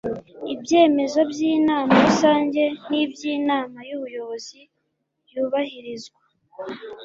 ibyemezo by'inama rusange n'by'inama y'ubuyobozi byubahirizwa